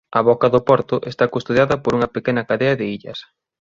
A boca do porto está custodiada por unha pequena cadea de illas.